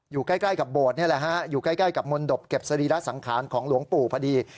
อยู่ใกล้กับโบสถนี่แหละฮะอยู่ใกล้กับมนตบเก็บสรีระสังขารของหลวงปู่พอดี